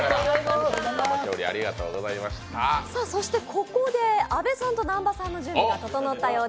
ここで阿部さんと南波さんの準備が整いました。